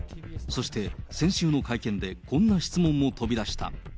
そして、先週の会見でこんな質問も飛び出した。